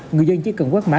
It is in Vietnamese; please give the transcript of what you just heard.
người dân chỉ cần quét mã